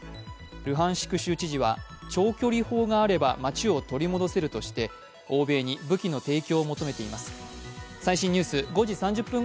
ルハンシク州知事は、長距離砲があれば街を取り戻せるとして欧米に武器の提供を求めています。